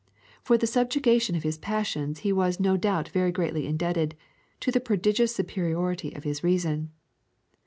For the subjugation of his passions he was no doubt very greatly indebted to the prodigious superiority of his reason.